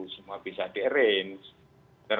semua bisa di arrange